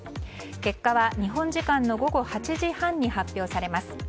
結果は日本時間の午後８時半に発表されます。